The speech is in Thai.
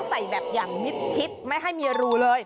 ใส่แบบอย่างมิดชิดไม่ให้มีรูเลย